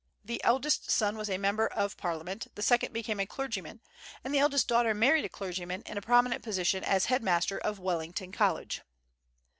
The eldest son was a member of Parliament; the second became a clergyman; and the eldest daughter married a clergyman in a prominent position as headmaster of Wellington College.